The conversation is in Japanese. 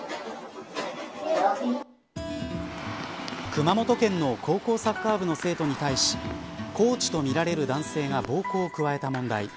熊本県の高校サッカー部の生徒に対しコーチとみられる男性が暴行を加えた問題。